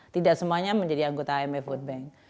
tidak semuanya menjadi anggota imf world bank